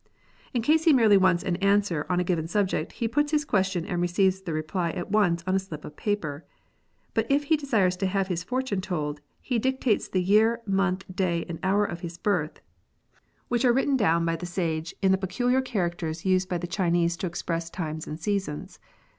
In case he merely wants an answer on a given subject, he puts his question and receives the reply at once on a slip of paper. But if he desires to have his fortune told, he dictates the year, month, day, and hour of his birth, which are written down by the sage FORTUNE TELLING. 71 in the particular characters used by the Chinese to express times and seasons.